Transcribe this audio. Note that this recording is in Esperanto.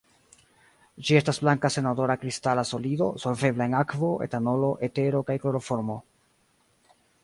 Ĝi estas blanka senodora kristala solido, solvebla en akvo, etanolo, etero kaj kloroformo.